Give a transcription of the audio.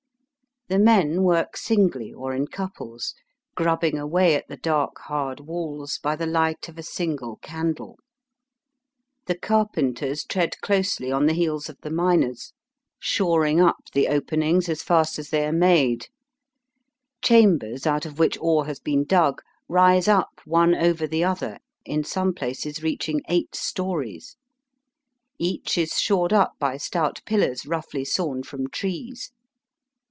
The men work singly or in couples, grubbing away at the dark hard walls by the light of a single candle. The carpenters tread closely on the heels of the miners, shoring up the openings as fast as Digitized by VjOOQIC A MINING CAMP IN THE BOOKY MOUNTAINS, 83 they are made. Chambers out of which ore has been dug rise up one over the other, in some places reaching eight stories. Each is shored up by stout pillars roughly sawn from trees.